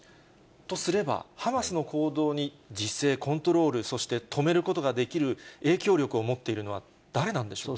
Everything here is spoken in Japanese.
とすれば、ハマスの行動に自制、コントロール、そして止めることができる、影響力を持っているのは誰なんでしょうか。